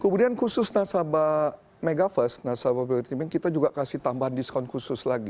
kemudian khusus nasabah mega first nasabah belitimbing kita juga kasih tambahan discount khusus lagi